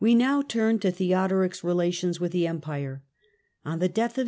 The We turn now to Theodoric's relations with the mpin Empire. On the death of.